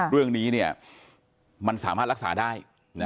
เรื่องนี้มันสามารถรักษาได้